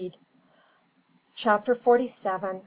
CHAPTER FORTY SEVEN.